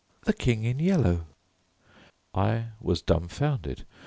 "The King in Yellow." I was dumfounded.